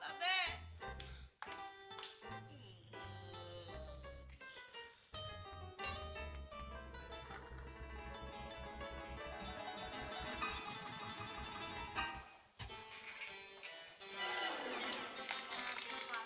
waktunya gue asal